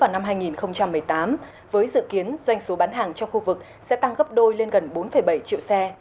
asean đã trở thành thị trường ô tô lớn thứ sáu trên thế giới vào năm hai nghìn một mươi tám với dự kiến doanh số bán hàng cho khu vực sẽ tăng gấp đôi lên gần bốn bảy triệu xe